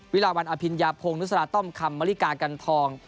วิลาวันอภิญญาพงศ์นุษราต้อมคำมริกากันทอง